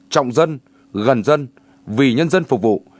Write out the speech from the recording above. trọng dân gần dân vì nhân dân phục vụ